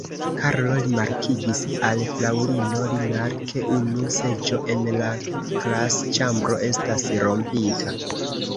Karlo rimarkigis al Fraŭlino Linar, ke unu seĝo en la klasĉambro estas rompita.